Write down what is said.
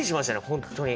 本当に。